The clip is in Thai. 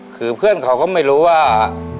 คือเพื่อนเขาก็ไม่รู้ว่า